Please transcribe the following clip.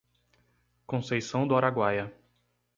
Conceição do Araguaia